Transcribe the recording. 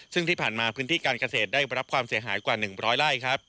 ซึ่งที่ผ่านมาพื้นที่การเกษตรได้รับความเสียหายกว่า๑๐๐ไร่ครับ